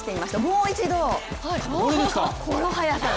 もう一度、この速さで。